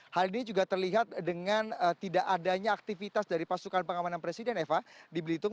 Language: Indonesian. hal ini juga terlihat dengan tidak adanya aktivitas dari pasukan pengamanan presiden eva di belitung